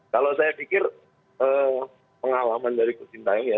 kalau saya pikir pengalaman dari coach sinteyong ya